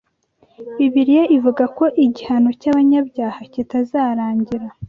Bibiliya ivuga ko igihano cy’abanyabyahakitazarangira